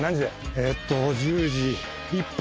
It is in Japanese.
えっと１０時１分です。